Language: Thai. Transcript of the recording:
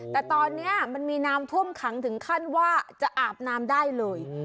แต่ตอนนี้มันมีน้ำท่วมขังถึงขั้นว่าจะอาบน้ำได้เลย